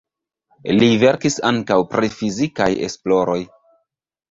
Li verkis ankaŭ pri fizikaj esploroj.